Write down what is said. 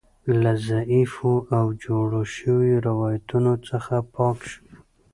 له ضعیفو او جوړو شویو روایتونو څخه پاک شو.